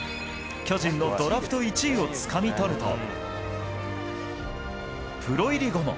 巨人のドラフト１位をつかみ取ると、プロ入り後も。